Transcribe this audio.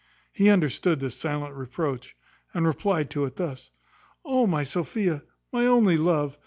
He understood this silent reproach, and replied to it thus: "O my Sophia! my only love!